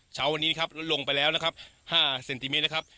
เช้าวันนี้นะครับลดลงไปแล้วนะครับ๕เซนติเมตรนะครับ